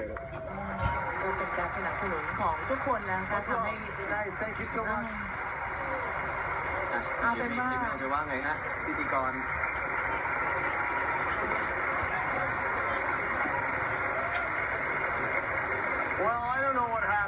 ตกมาตายตรงโคลด์คีกนี้